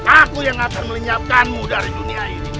aku yang akan melenyapkanmu dari dunia ini